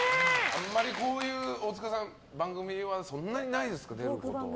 あんまりこういう番組はそんなにないですか、出ることは。